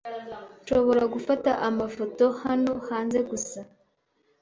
"Nshobora gufata amafoto hano?" "Hanze gusa."